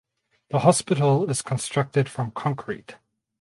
The hospital is constructed from concrete.